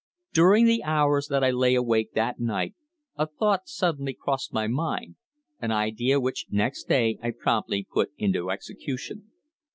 During the hours that I lay awake that night a thought suddenly crossed my mind an idea which next day I promptly put into execution.